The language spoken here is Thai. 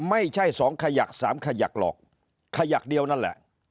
ไม่ใช่๒ขยัก๓ขยักหรอกขยักเดียวนั่นแหละ